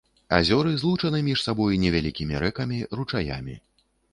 Азёры злучаны між сабой невялікімі рэкамі, ручаямі.